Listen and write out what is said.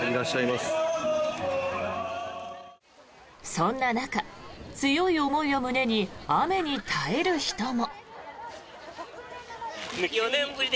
そんな中、強い思いを胸に雨に耐える人も。